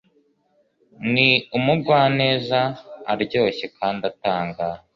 ni umugwaneza, aryoshye kandi atanga